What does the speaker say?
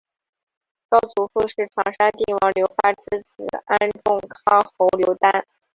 高祖父是长沙定王刘发之子安众康侯刘丹。